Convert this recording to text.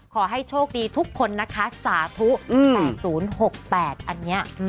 ขอให้โชคดีทุกคนนะคะสาธุ๘๐๖๘อันนี้